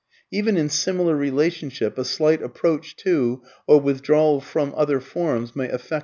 (2) Even in similar relationship a slight approach to or withdrawal from other forms may affect the harmony.